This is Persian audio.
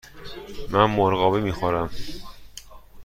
من مرغابی می خورم.